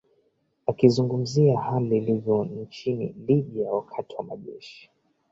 akizungumzia hali ilivyo nchini libya wakati majeshi